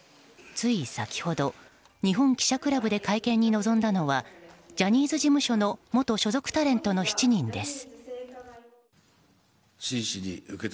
つい先ほど、日本記者クラブで会見に臨んだのはジャニーズ事務所の元所属タレントの７人です。